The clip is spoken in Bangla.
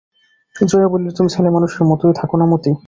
জয়া বলিল, তুই ছেলেমানুষের মতোই থাক না মতি!